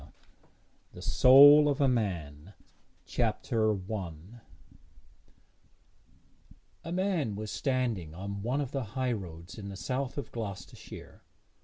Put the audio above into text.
XI THE SOUL OF A MAN CHAPTER I A man was standing on one of the highroads in the south of Gloucestershire.